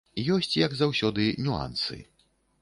Ёсць, як заўсёды, нюансы.